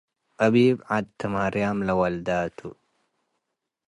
አቢብ ዐድ ትማርያም ለወልደ ቱ ።